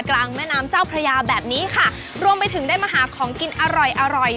กลางแม่น้ำเจ้าพระยาแบบนี้ค่ะรวมไปถึงได้มาหาของกินอร่อยอร่อย